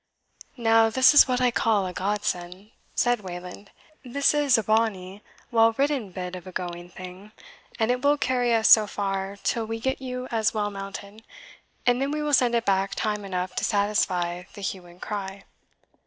"Now this is what I call a Godsend," said Wayland; "this is a bonny, well ridden bit of a going thing, and it will carry us so far till we get you as well mounted, and then we will send it back time enough to satisfy the Hue and Cry."